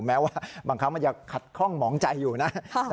แม้ว่าบางครั้งมันจะขัดข้องหมองใจอยู่นะ